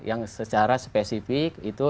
yang secara spesifik itu